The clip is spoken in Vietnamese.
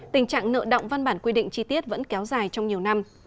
tình trạng nợ động văn bản quy định chi tiết vẫn kéo dài trong nhiều năm